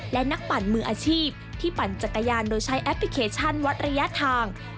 และนักปั่นมืออาชีพที่ปั่นจักรยานโดยใช้แอปพลิเคชันวัดระยะทาง